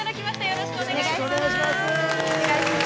よろしくお願いします。